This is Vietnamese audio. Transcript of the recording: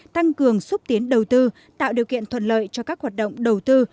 tăng cường xúc tiến đầu tư tạo điều kiện thuận lợi cho các hoạt động đầu tư